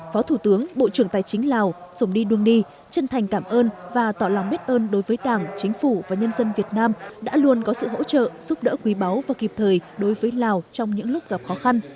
phó thủ tướng bộ trưởng tài chính lào dùng đi đương đi chân thành cảm ơn và tỏ lòng biết ơn đối với đảng chính phủ và nhân dân việt nam đã luôn có sự hỗ trợ giúp đỡ quý báu và kịp thời đối với lào trong những lúc gặp khó khăn